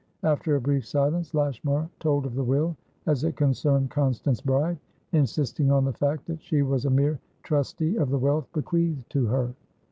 After a brief silence, Lashmar told of the will as it concerned Constance Bride, insisting on the fact that she was a mere trustee of the wealth bequeathed to her.